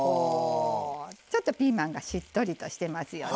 ちょっとピーマンがしっとりとしてますよね。